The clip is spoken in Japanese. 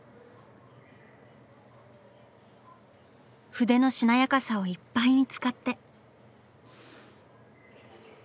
筆のしなやかさをいっぱいに使って。